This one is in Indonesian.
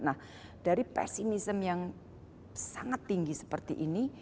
nah dari pesimism yang sangat tinggi seperti ini